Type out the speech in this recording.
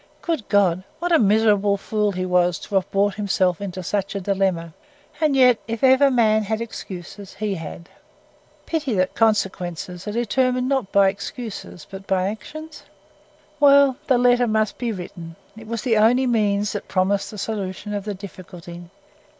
Good God! What a miserable fool he was to have brought himself into such a dilemma; and yet, if ever a man had excuses, he had. (Pity that consequences are determined not by excuses but by actions!) Well, the letter must be written; it was the only means that promised a solution of the difficulty.